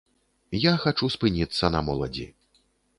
Я хачу спыніцца на моладзі.